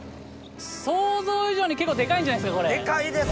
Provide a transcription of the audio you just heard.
想像以上に結構デカいんじゃないですかこれ。